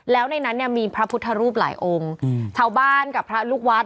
แล้วในนั้นเนี่ยมีพระพุทธรูปหลายองค์ชาวบ้านกับพระลูกวัด